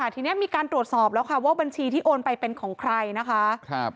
ทีนี้มีการตรวจสอบแล้วค่ะว่าบัญชีที่โอนไปเป็นของใครนะคะ